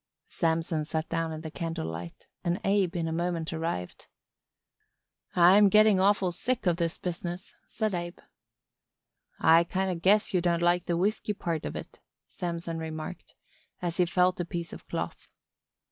Samson sat down in the candlelight and Abe in a moment arrived. "I'm getting awful sick o' this business," said Abe. "I kind o' guess you don't like the whisky part of it," Samson remarked, as he felt a piece of cloth.